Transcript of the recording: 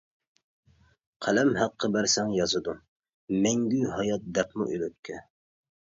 قەلەم ھەققى بەرسەڭ يازىدۇ، مەڭگۈ ھايات دەپمۇ ئۆلۈككە.